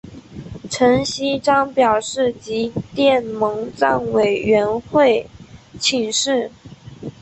陈锡璋表示即电蒙藏委员会请示。